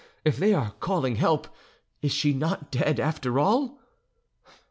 If they are calling help, is she not dead, after all?"